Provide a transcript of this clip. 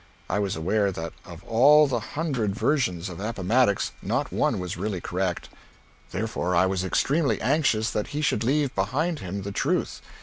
I was aware that of all the hundred versions of Appomattox, not one was really correct. Therefore I was extremely anxious that he should leave behind him the truth.